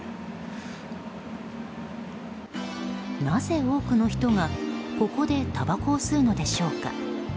なぜ多くの人がここでたばこを吸うのでしょうか。